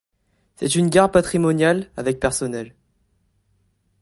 C'est une gare patrimoniale, avec personnel.